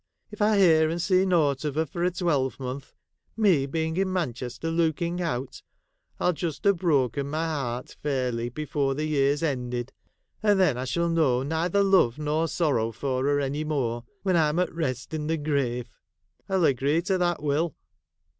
' If I hear and see nought of her for a twelvemonth, me being in Manchester looking out, I '11 just ha' broken my heart fairly before the year 's ended, and then I shall know neither love nor sorrow for her any more, when I 'm at rest in the grave — I '11 agree to that, Will.'